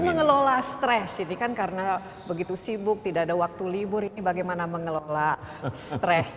tapi mengelola stres ini kan karena begitu sibuk tidak ada waktu libur ini bagaimana mengelola stres